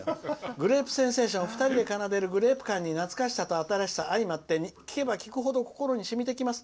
「「グレープセンセーション」２人で奏でるグレープ感に新しさと懐かしさがあいまって聴けば聴くほど心に染みてきます。